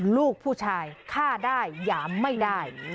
ลูกผู้ชายฆ่าได้หยามไม่ได้